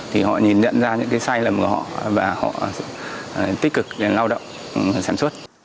thì họ nhìn nhận ra những cái sai lầm của họ và họ tích cực lao động sản xuất